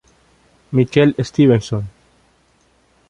Michael Stevenson